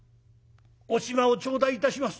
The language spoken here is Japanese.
「お暇を頂戴いたします」。